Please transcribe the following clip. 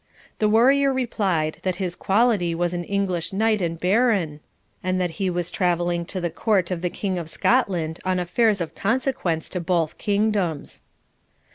The warrior replied that his quality was an English knight and baron, and that he was travelling to the court of the King of Scotland on affairs of consequence to both kingdoms.